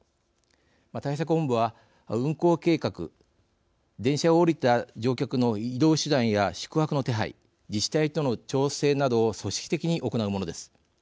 対策本部は運行計画電車を降りた乗客の移動手段や宿泊の手配自治体との調整などを組織的に行うものです。